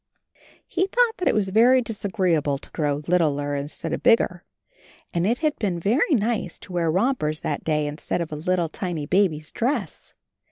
He thought that it was very disagreeable to grow littler in stead of bigger, and it had been very nice to wear rompers that day instead of a little tiny baby's dress.